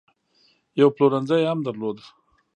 یو پلورنځی یې هم درلود.